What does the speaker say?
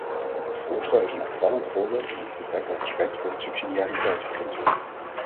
Het voorstel is een opvallend voorbeeld van het gebrek aan respect voor het subsidiariteitsbeginsel.